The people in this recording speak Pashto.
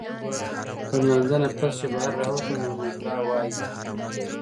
د مانځۀ نه پس چې بهر راووتم نو نورالله وايي